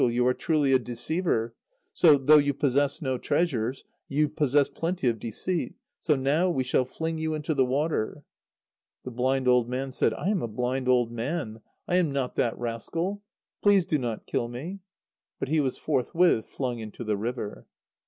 you are truly a deceiver. So, though you possess no treasures, you possess plenty of deceit. So now we shall fling you into the water." The blind old man said: "I am a blind old man. I am not that rascal. Please do not kill me!" But he was forthwith flung into the river.